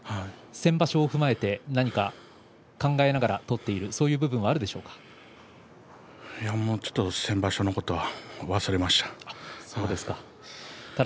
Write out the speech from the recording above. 先場所を踏まえて何か考えながら取っているちょっと先場所のことは忘れました。